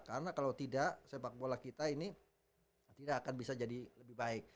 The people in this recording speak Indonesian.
karena kalau tidak sepak bola kita ini tidak akan bisa jadi lebih baik